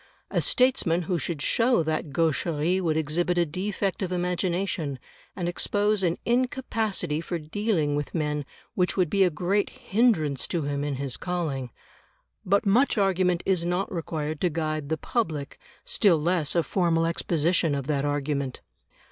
A statesman who should show that gaucherie would exhibit a defect of imagination, and expose an incapacity for dealing with men which would be a great hindrance to him in his calling. But much argument is not required to guide the public, still less a formal exposition of that argument.